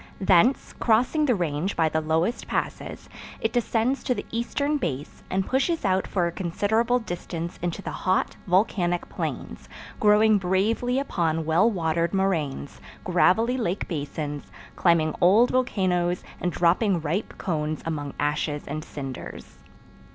Thence, crossing the range by the lowest passes, it descends to the eastern base, and pushes out for a considerable distance into the hot, volcanic plains, growing bravely upon well watered moraines, gravelly lake basins, climbing old volcanoes and dropping ripe cones among ashes and cinders.